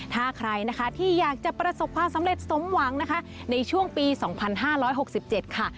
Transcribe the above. ถ้าใครนะคะที่อยากจะประสบความสำเร็จสมหวังนะคะในช่วงปี๒๕๖๗ค่ะ